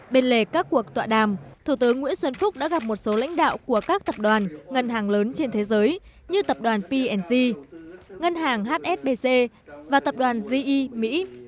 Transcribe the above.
bên lề các cuộc tọa đàm thủ tướng nguyễn xuân phúc đã gặp một số lãnh đạo của các tập đoàn ngân hàng lớn trên thế giới như tập đoàn png ngân hàng hsbc và tập đoàn ge mỹ